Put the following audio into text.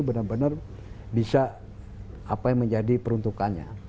benar benar bisa apa yang menjadi peruntukannya